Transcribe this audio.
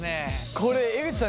これ江口さん